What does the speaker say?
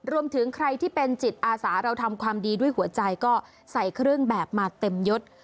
รวมถึงใครที่เป็นจิตอาสาเราทำความดีด้วยหัวใจก็ใส่เครื่องแบบมาเต็มยด